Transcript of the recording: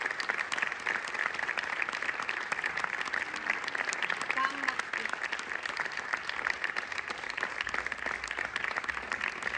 Paammaktuk.